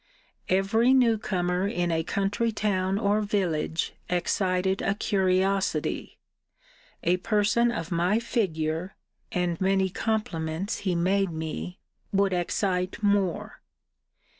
Every new comer in a country town or village excited a curiosity: A person of my figure [and many compliments he made me] would excite more.